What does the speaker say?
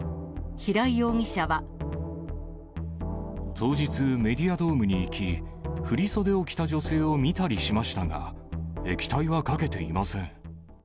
当日、メディアドームに行き、振り袖を着た女性を見たりしましたが、液体はかけていません。